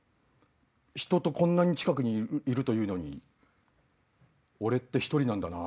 ひととこんなに近くにいるというのに俺って独りなんだな。